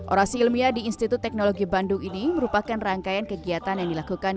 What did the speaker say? orasi ilmiah di institut teknologi bandung ini merupakan rangkaian kegiatan yang dilakukan